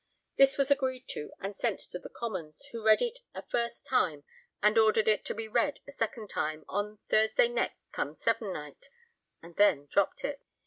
This was agreed to and sent to the Commons, who read it a first time and ordered it to be read a second time 'on Thursday next come Sevennight,' and then dropped it.